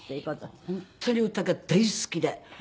本当に歌が大好きで。